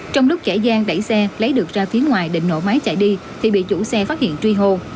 trong lúc kẻ gian đẩy xe lấy được ra phía ngoài để nổ máy chạy đi thì bị chủ xe phát hiện truy hồ